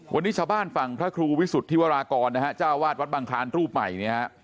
วันนี้ชาวบ้านฟังพระครูวิสุทธิวรากรจ้าวาดวัดบางคลานรูปใหม่